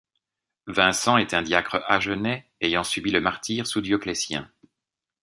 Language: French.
Vincent est un diacre agenais ayant subi le martyre sous Dioclétien.